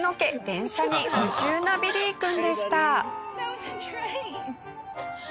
電車に夢中なビリー君でした。